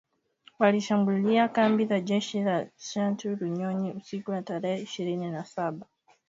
Walishambulia kambi za jeshi za Tchanzu na Runyonyi, usiku wa tarehe ishirini na saba na ishirini na nane mwezi Machi